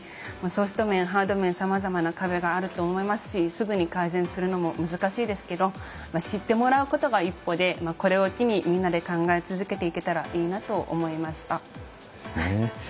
ソフト面、ハード面さまざまな壁があると思いますしすぐに改善するのも難しいですけど知ってもらうことが一歩でこれを機にみんなで考え続けていけたらいいなと思いました。